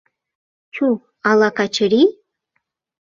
Чу, ала Качырий...»